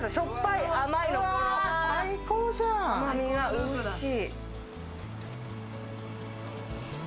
甘みがおいしい。